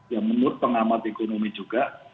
ya menurut pengamat ekonomi juga